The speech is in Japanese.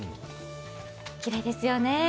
きれいですよね。